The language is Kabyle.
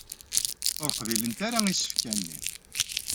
Ur qbilent ara isefka-nni.